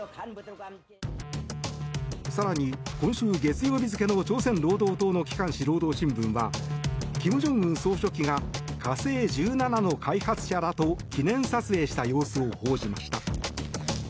更に、今週月曜日付の朝鮮労働党の機関紙、労働新聞は金正恩総書記が「火星１７」の開発者らと記念撮影した様子を報じました。